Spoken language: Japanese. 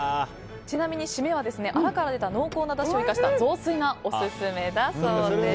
ちなみに締めはアラから出た濃厚なだしの雑炊がオススメだそうです。